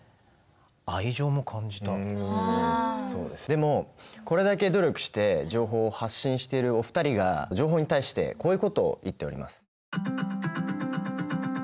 でもこれだけ努力して情報を発信しているお二人が情報に対してこういうことを言っております。